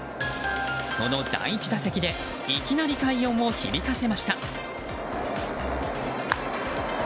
その第１打席でいきなり快音を響かせました！